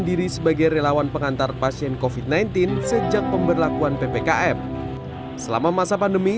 diri sebagai relawan pengantar pasien kofit sembilan belas sejak pemberlakuan ppkm selama masa pandemi